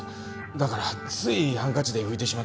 だからついハンカチで拭いてしまって。